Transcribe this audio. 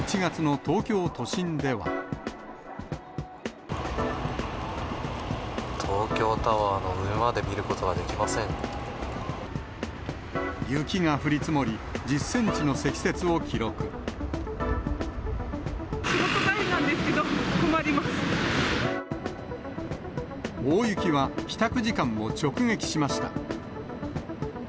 東京タワーの上まで見ること雪が降り積もり、１０センチ仕事帰りなんですけど、大雪は、帰宅時間を直撃しました。